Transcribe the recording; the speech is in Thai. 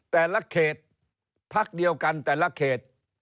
แต่ละเขตพักเดียวกันแต่ละเขต